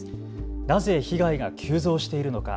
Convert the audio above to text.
なぜ被害が急増しているのか。